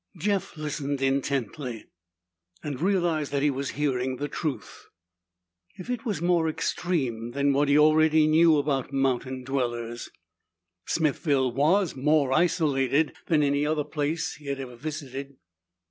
Jeff listened intently, and realized that he was hearing the truth. If it was more extreme than what he already knew about mountain dwellers, Smithville was more isolated than any other place he had ever visited.